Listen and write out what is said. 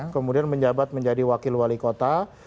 kemudian menjabat menjadi wakil wali kota